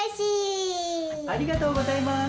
ありがとうございます。